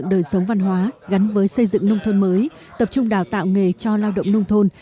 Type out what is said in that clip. đời sống văn hóa gắn với xây dựng nông thôn mới tập trung đào tạo nghề cho lao động nông thôn